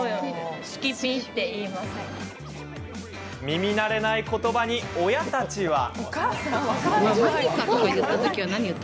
耳慣れない言葉に親たちは？